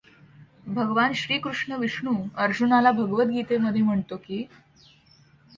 भगवान श्रीकृष्ण विष्णू अर्जुनाला भगवद्गीतेमध्ये म्हणतो की